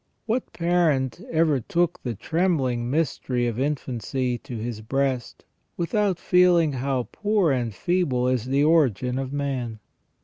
What parent ever took the trembling mystery of infancy to his breast without feeling how poor and feeble is the origin of man?